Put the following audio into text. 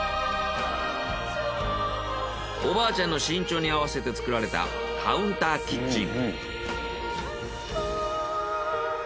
おばあちゃんの身長に合わせて作られたカウンターキッチン。